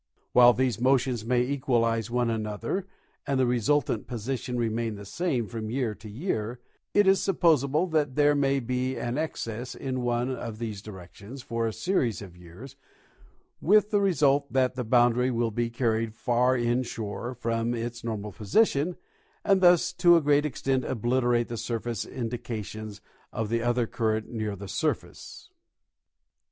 While these motion^p may equalize one another and the re sultant position remain the same from year to year, it is sup posable that there may be an excess in one of these directions for a series of years, with the result that the boundary will be carried far inshore from its normal position and thus to a great extent obliterate the surface indications of the other current near the surface.